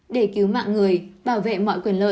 để cứu mạng người bảo vệ mọi quyền lợi